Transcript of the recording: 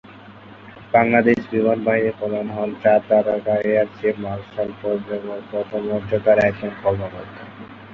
বাংলাদেশ বিমান বাহিনীর প্রধান হন চার তারকা এয়ার চিফ মার্শাল পদমর্যাদার একজন কর্মকর্তা।